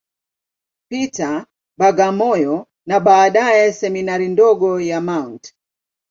Peter, Bagamoyo, na baadaye Seminari ndogo ya Mt.